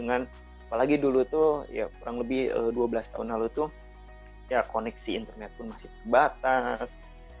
apalagi dulu itu kurang lebih dua belas tahun lalu itu koneksi internet pun masih kebatas